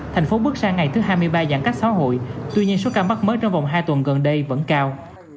thành phố bước sang ngày thứ hai mươi ba giãn cách xã hội tuy nhiên số ca mắc mới trong vòng hai tuần gần đây vẫn cao